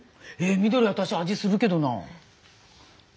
緑私味するけどな。